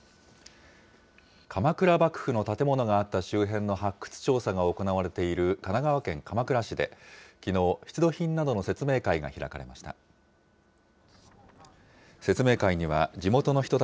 鎌倉幕府の建物があった周辺の発掘調査が行われている、神奈川県鎌倉市で、きのう、出土品などの説明会が開かれました。